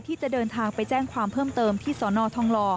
ที่จะเดินทางไปแจ้งความเพิ่มเติมที่สนทองหล่อ